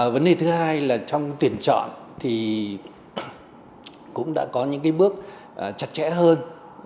vấn đề thứ hai là trong tuyển chọn thì cũng đã có những bước chặt chẽ hơn